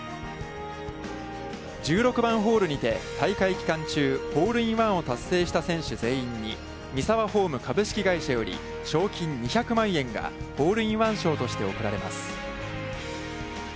１６番ホールにて大会期間中ホールインワンを達成した選手全員にミサワホーム株式会社より賞金２００万円がホールインワン賞として贈られます。